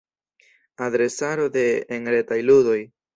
Adresaro de enretaj ludoj.